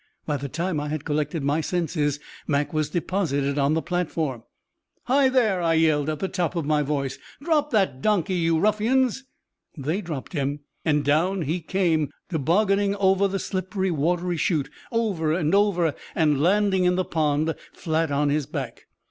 By the time I had collected my senses, Mac was deposited on the platform. "Heigh, there!" I yelled at the top of my voice. "Drop that donkey, you ruffians!" They dropped him. And down he came, tobogganing over the slippery, watery chute, over and over, and landing in the pond, flat on his back.